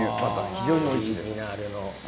非常においしいです。